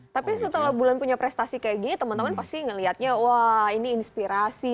tapi setelah bulan punya prestasi kayak gini temen temen pasti ngelihatnya wah ini inspirasi nih